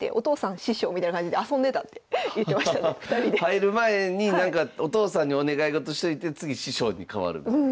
入る前になんかお父さんにお願い事しといて次師匠に変わるみたいなね。